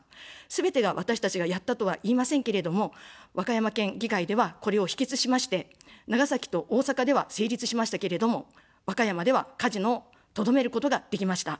すべてが私たちがやったとは言いませんけれども、和歌山県議会では、これを否決しまして、長崎と大阪では成立しましたけれども、和歌山ではカジノをとどめることができました。